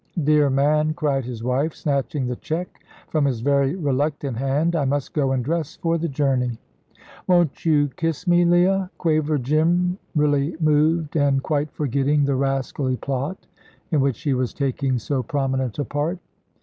"Dear man," cried his wife, snatching the cheque from his very reluctant hand. "I must go and dress for the journey." "Won't you kiss me, Leah?" quavered Jim, really moved, and quite forgetting the rascally plot in which he was taking so prominent a part.